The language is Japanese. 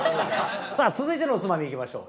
さあ続いてのおつまみいきましょう。